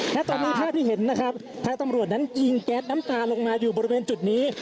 และตอนนี้ภาพที่เห็นนะครับทางตำรวจนั้นยิงแก๊สน้ำตาลงมาอยู่บริเวณจุดนี้